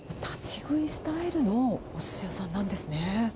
立ち食いスタイルのおすし屋さんなんですね。